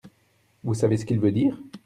Vous savez ce qu’il veut dire ?